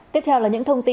tiếp theo là những thông tin